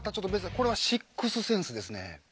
これは「シックス・センス」ですね